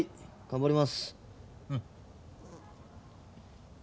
頑張ります。